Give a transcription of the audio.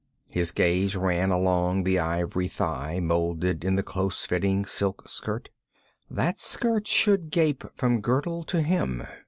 His gaze ran along the ivory thigh molded in the close fitting silk skirt. That skirt should gape from girdle to hem.